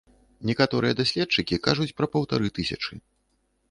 Некаторыя даследчыкі кажуць пра паўтары тысячы.